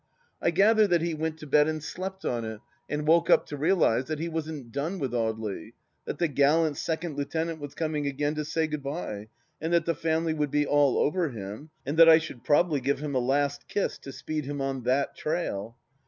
I gather that he went to bed and slept on it, and woke up to realize that he wasn't done with Audely: that the gallant Second Lieutenant was coming again to say Good bye, and that the family would be all over him, and that I should probably give him a last kiss to speed him on thai trail.